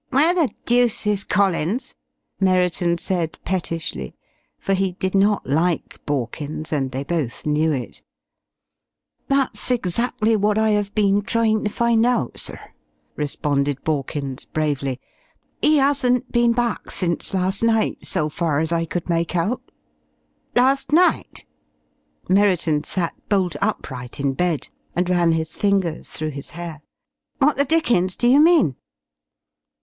"Where the deuce is Collins?" Merriton said pettishly, for he did not like Borkins, and they both knew it. "That's exactly what I 'ave been tryin' ter find out, sir," responded Borkins, bravely. "'E 'asn't been back since last night, so far as I could make out." "Last night?" Merriton sat bolt upright in bed and ran his fingers through his hair. "What the dickens do you mean?"